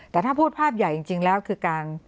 แต่ถ้าพูดภาพใหญ่จริงแล้วคือการ